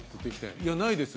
「いやないです」